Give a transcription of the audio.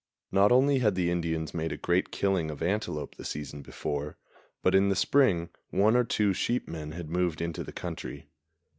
Not only had the Indians made a great killing of antelope the season before, but in the spring one or two sheep men had moved into the country.